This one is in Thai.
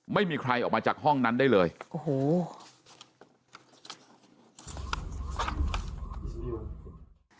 ไม่มีใครออกมาจากห้องนั้นได้เลยโอ้โห